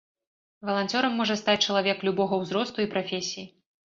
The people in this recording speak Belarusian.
Валанцёрам можа стаць чалавек любога ўзросту і прафесіі.